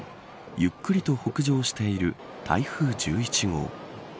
ゆっくりと北上している台風１１号。